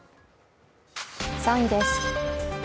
３位です。